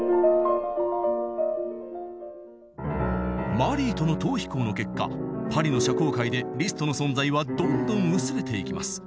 マリーとの逃避行の結果パリの社交界でリストの存在はどんどん薄れていきます。